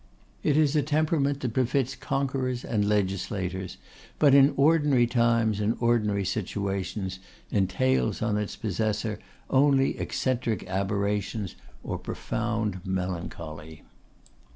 It is a temperament that befits conquerors and legislators, but, in ordinary times and ordinary situations, entails on its possessor only eccentric aberrations or profound melancholy.